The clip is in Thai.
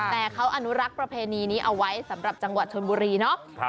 แต่เขาอนุรักษ์ประเพณีนี้เอาไว้สำหรับจังหวัดชนบุรีเนาะ